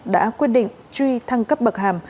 đã quyết định truy thăng cấp bậc hàm